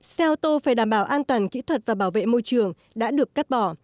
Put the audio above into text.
xe ô tô phải đảm bảo an toàn kỹ thuật và bảo vệ môi trường đã được cắt bỏ